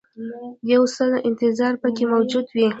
یو څه انتظار پکې موجود وي.